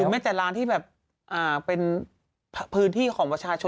ไม่แต่ร้านที่แบบเป็นพื้นที่ของประชาชน